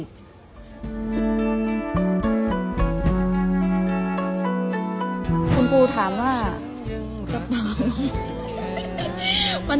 คุณปูถามว่า